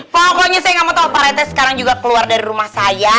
pokoknya saya gak mau tau pak rete sekarang juga keluar dari rumah saya